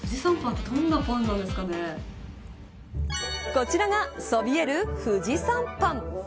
こちらがそびえる富士山パン。